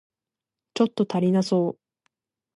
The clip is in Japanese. ちょっと足りなそう